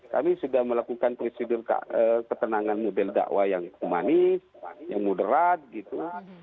kami sudah melakukan prosedur ketenangan model dakwah yang humanis yang moderat gitu